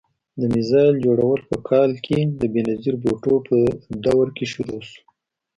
د میزایل جوړول په کال کې د بېنظیر بوټو په دور کې شروع شو.